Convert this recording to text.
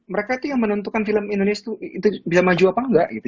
mereka itu yang menentukan film indonesia itu bisa maju apa enggak gitu